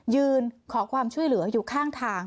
ยืนขอความช่วยเหลืออยู่ข้างทาง